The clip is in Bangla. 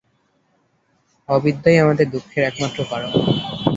অবিদ্যাই আমাদের দুঃখের একমাত্র কারণ।